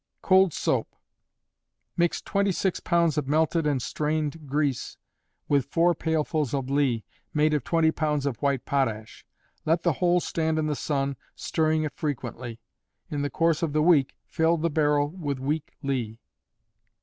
Cold Soap. Mix twenty six pounds of melted and strained grease with four pailfuls of ley, made of twenty pounds of white potash. Let the whole stand in the sun, stirring it frequently. In the course of the week, fill the barrel with weak ley.